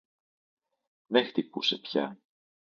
Δεν χτυπούσε πια